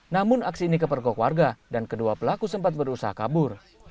namun aksi ini kepergok warga dan kedua pelaku sempat berusaha kabur